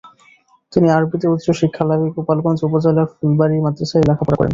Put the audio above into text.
তিনি আরবীতে উচ্চ শিক্ষা লাভে গোলাপগঞ্জ উপজেলার ফুলবাড়ি মাদ্রাসায় লেখাপড়া করেন।